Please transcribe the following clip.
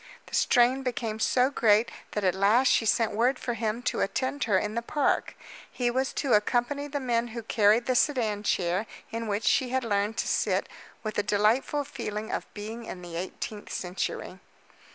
The strain became so great that at last she sent word for him to attend her in the park. He was to accompany the men who carried the sedan chair in which she had learned to sit with a delightful feeling of being in the eighteenth century.